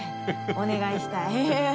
お願いしたい。